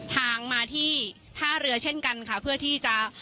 ทางมาที่ท่าเรือเช่นกันค่ะเพื่อที่จะ